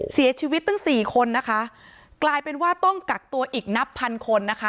เสียชีวิตตั้งสี่คนนะคะกลายเป็นว่าต้องกักตัวอีกนับพันคนนะคะ